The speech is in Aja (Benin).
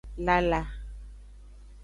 Lala.